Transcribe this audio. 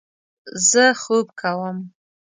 زه خوب کوم